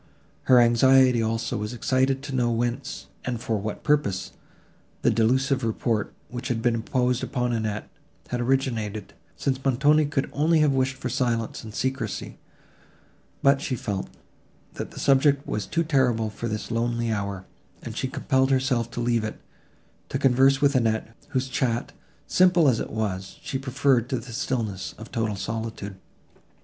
Her anxiety, also, was excited to know whence, and for what purpose, the delusive report, which had been imposed upon Annette, had originated, since Montoni could only have wished for silence and secrecy; but she felt, that the subject was too terrible for this lonely hour, and she compelled herself to leave it, to converse with Annette, whose chat, simple as it was, she preferred to the stillness of total solitude.